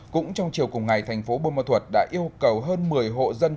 cũng trong chiều cùng ngày thành phố bô ma thuật đã yêu cầu hơn một mươi hộ dân